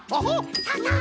さあさあ